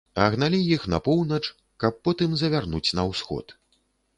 А гналі іх па поўнач, каб потым завярнуць на ўсход.